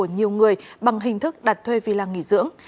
nhiều người bằng hình thức đặt thuê vì làng nghỉ dưỡng